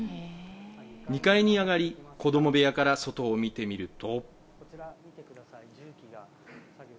２階に上がり、子ども部屋から外を見てみると。